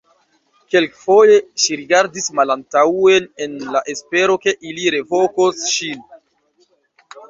Kelkfoje ŝi rigardis malantaŭen en la espero ke ili revokos ŝin.